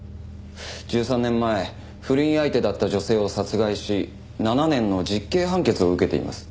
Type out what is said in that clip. １３年前不倫相手だった女性を殺害し７年の実刑判決を受けています。